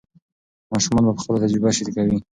ماشومان به خپله تجربه شریکوي.